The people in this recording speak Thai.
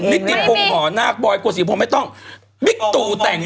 นิติทองหอหน้ากบ่อยกว่าสีผงไม่ต้องบิ๊กตูแตงเอง